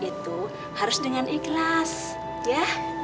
itu harus dengan ikhlas ya